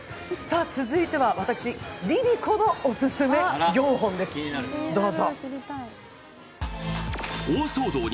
続いては私、ＬｉＬｉＣｏのオススメ４本です、どうぞ。